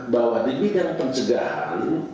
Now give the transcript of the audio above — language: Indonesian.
bahwa di bidang pencegahan